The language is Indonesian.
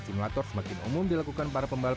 simulator semakin umum dilakukan para pembalap